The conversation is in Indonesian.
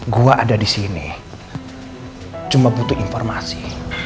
gue ada di sini cuma butuh informasi